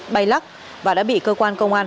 bay lắc và đã bị cơ quan công an